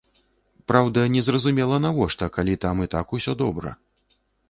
Праўда, незразумела, навошта, калі там і так усё добра.